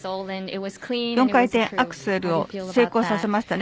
４回転アクセルを成功させましたね。